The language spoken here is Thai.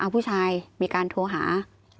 ผู้ชายมีการโทรหา